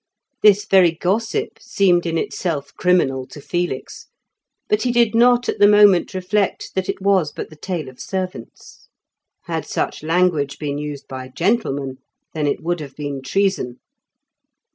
This very gossip seemed in itself criminal to Felix, but he did not at the moment reflect that it was but the tale of servants. Had such language been used by gentlemen, then it would have been treason.